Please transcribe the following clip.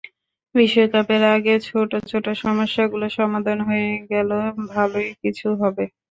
বিশ্বকাপের আগে ছোট ছোট সমস্যাগুলো সমাধান হয়ে গেল ভালোই কিছুই হবে।